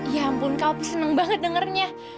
ya ampun kak opi seneng banget dengernya